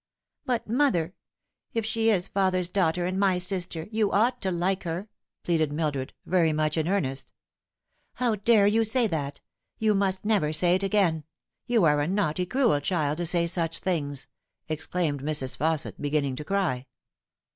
"But, mother, if she is father's daughter and my sister, you ought to like her," pleaded Mildred, very much in earnest. " How dare you say that ! You must never say it again you are a naughty, cruel child to say such things I" exclaimed Mrs. Fausset, beginning to cry.